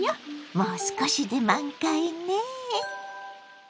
もう少しで満開ね！